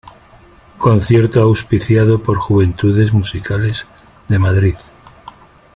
Concierto auspiciado por Juventudes Musicales de Madrid.